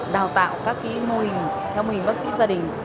đào tạo các mô hình theo mô hình bác sĩ gia đình